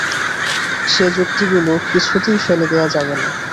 সে যুক্তিগুলো কিছুতেই ফেলে দেয়া যাবে না।